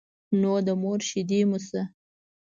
نو د مور شيدې مو شه.